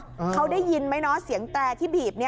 เขาได้ยินไหมเนาะเสียงแตรที่บีบ